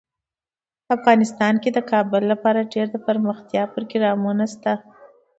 افغانستان کې د کابل لپاره ډیر دپرمختیا پروګرامونه شته دي.